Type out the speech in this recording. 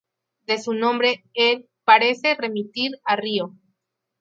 De su nombre, Er- parece remitir a "río".